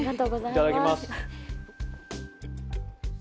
いただきます。